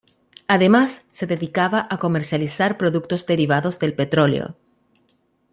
Además, se dedica a comercializar productos derivados del petróleo.